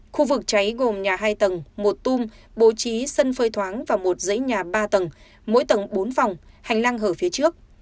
khu vực cháy gồm nhà hai tầng một tung bố trí sân phơi thoáng và một dãy nhà ba tầng mỗi tầng bốn phòng hành lang hở phía trước